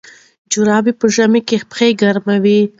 جرابې په ژمي کې پښې ګرموي.